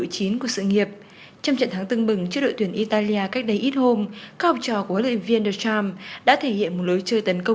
xin chào và hẹn gặp lại trong các video tiếp theo